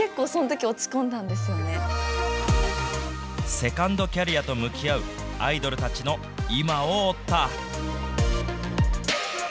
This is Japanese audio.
セカンドキャリアと向き合う、アイドルたちの今を追った。